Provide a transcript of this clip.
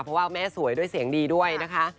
เพราะว่าแม่สวยด้วยเสียงดีด้วยนะคะ